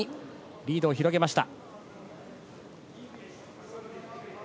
リードを広げました。